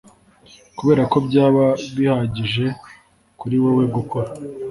Kuberako byaba bihagije kuri wewe gukora